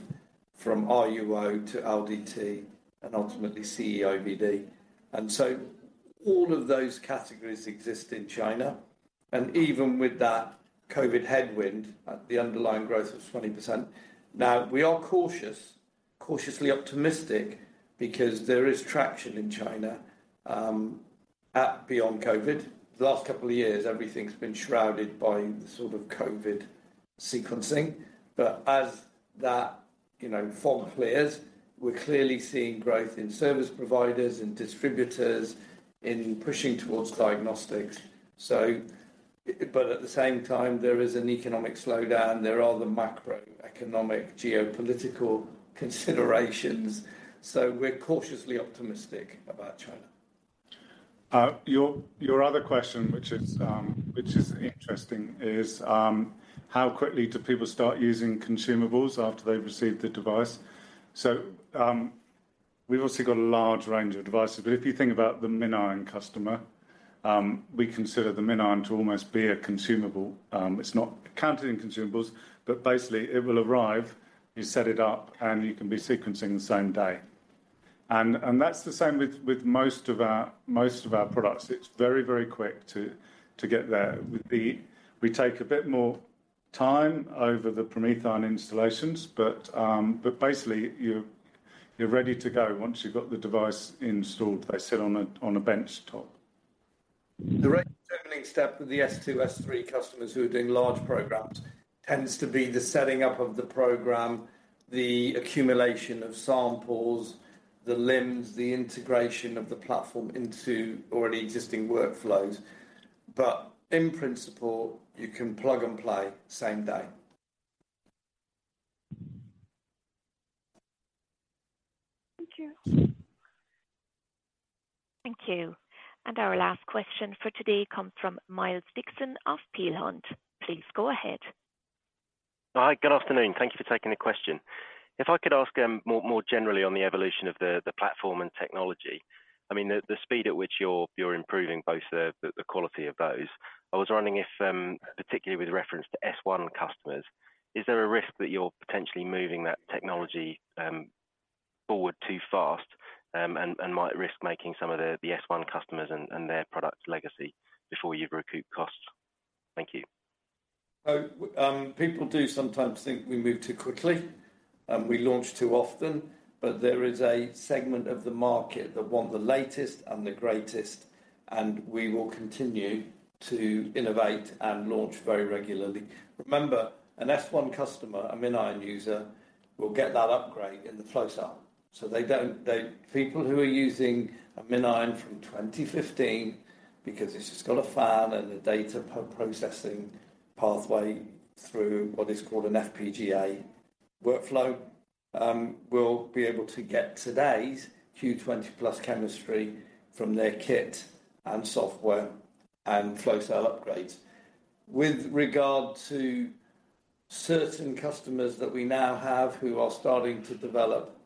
from RUO to LDT and ultimately CE-IVD. And so all of those categories exist in China, and even with that COVID headwind, the underlying growth was 20%. Now, we are cautious, cautiously optimistic because there is traction in China at beyond COVID. The last couple of years, everything's been shrouded by sort of COVID sequencing. But as that fog clears, you know, we're clearly seeing growth in service providers and distributors in pushing towards diagnostics. So, but at the same time, there is an economic slowdown. There are the macroeconomic geopolitical considerations, so we're cautiously optimistic about China. Your other question, which is interesting, is how quickly do people start using consumables after they've received the device? So, we've obviously got a large range of devices, but if you think about the MinION customer, we consider the MinION to almost be a consumable. It's not counted in consumables, but basically it will arrive, you set it up, and you can be sequencing the same day. And that's the same with most of our products. It's very, very quick to get there. We take a bit more time over the PromethION installations, but basically, you're ready to go once you've got the device installed. They sit on a benchtop. The right opening step for the S2, S3 customers who are doing large programs tends to be the setting up of the program, the accumulation of samples, the LIMS, the integration of the platform into already existing workflows. In principle, you can plug and play same day. Thank you. Thank you. Our last question for today comes from Miles Dixon of Peel Hunt. Please go ahead. Hi, good afternoon. Thank you for taking the question. If I could ask more generally on the evolution of the platform and technology. I mean, the speed at which you're improving both the quality of those. I was wondering if, particularly with reference to S1 customers, is there a risk that you're potentially moving that technology forward too fast, and might risk making some of the S1 customers and their products legacy before you've recouped costs? Thank you. So, people do sometimes think we move too quickly, we launch too often, but there is a segment of the market that want the latest and the greatest, and we will continue to innovate and launch very regularly. Remember, an S1 customer, a MinION user, will get that upgrade in the flow cell. So they don't, people who are using a MinION from 2015, because it's just got a fan and a data pre-processing pathway through what is called an FPGA workflow, will be able to get today's Q20+ chemistry from their kit and software and flow cell upgrades. With regard to certain customers that we now have who are starting to develop,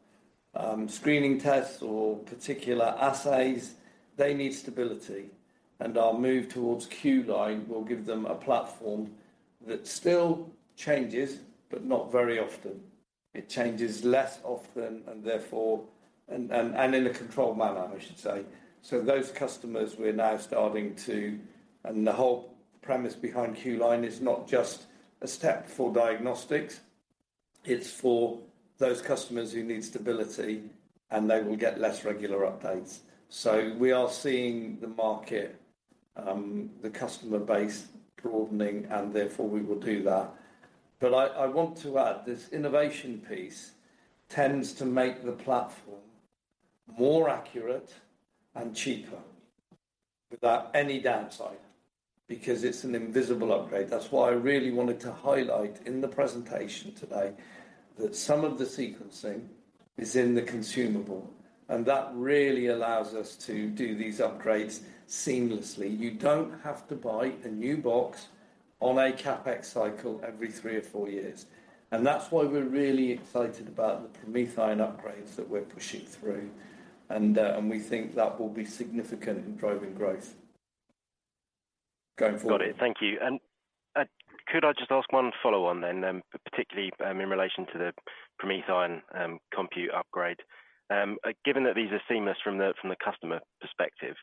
screening tests or particular assays, they need stability, and our move towards Q-Line will give them a platform that still changes, but not very often. It changes less often, and therefore, and in a controlled manner, I should say. So those customers, we're now starting to, and the whole premise behind Q-Line is not just a step for diagnostics, it's for those customers who need stability, and they will get less regular updates. So we are seeing the market, the customer base broadening, and therefore we will do that. But I want to add, this innovation piece tends to make the platform more accurate and cheaper without any downside, because it's an invisible upgrade. That's why I really wanted to highlight in the presentation today that some of the sequencing is in the consumable, and that really allows us to do these upgrades seamlessly. You don't have to buy a new box on a CapEx cycle every three or four years, and that's why we're really excited about the PromethION upgrades that we're pushing through, and, and we think that will be significant in driving growth going forward. Got it. Thank you. Could I just ask one follow on then, particularly in relation to the PromethION compute upgrade? Given that these are seamless from the customer perspective,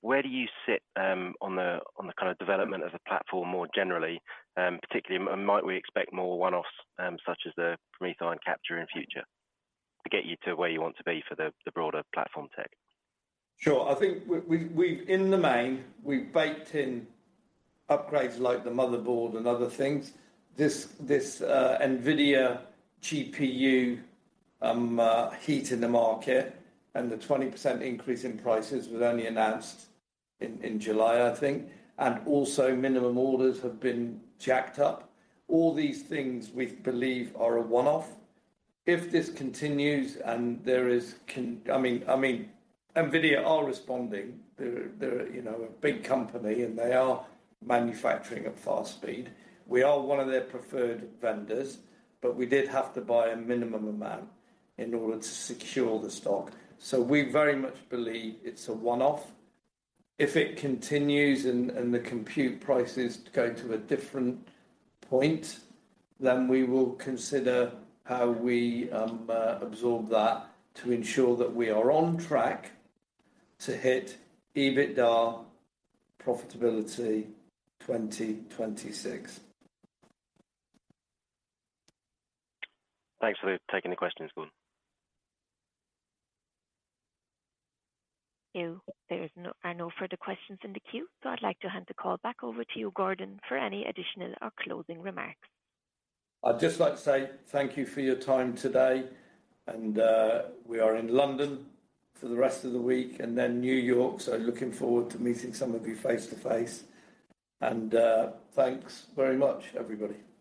where do you sit on the kind of development of the platform more generally? Particularly, might we expect more one-offs, such as the PromethION compute in future to get you to where you want to be for the broader platform tech? Sure. I think we've in the main baked in upgrades like the motherboard and other things. This NVIDIA GPU heat in the market, and the 20% increase in prices was only announced in July, I think, and also minimum orders have been jacked up. All these things we believe are a one-off. If this continues, I mean, NVIDIA are responding. They're you know a big company, and they are manufacturing at fast speed. We are one of their preferred vendors, but we did have to buy a minimum amount in order to secure the stock. So we very much believe it's a one-off. If it continues and the compute prices go to a different point, then we will consider how we absorb that to ensure that we are on track to hit EBITDA profitability 2026. Thanks for taking the questions, Gordon. There are no further questions in the queue, so I'd like to hand the call back over to you, Gordon, for any additional or closing remarks. I'd just like to say thank you for your time today, and we are in London for the rest of the week, and then New York, so looking forward to meeting some of you face to face. Thanks very much, everybody.